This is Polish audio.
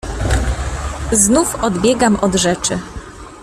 "Znów odbiegam od rzeczy."